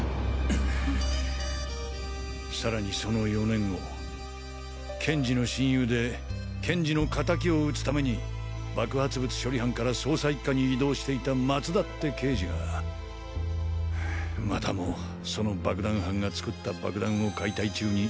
さらにその４年後研二の親友で研二のカタキを討つために爆発物処理班から捜査一課に異動していた松田って刑事がまたもその爆弾犯が作った爆弾を解体中に。